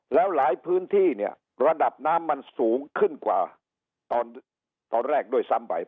แล้วหลายพื้นที่เนี่ยระดับน้ำมันสูงขึ้นกว่าตอนแรกด้วยซ้ำไป